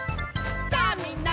「さあみんな！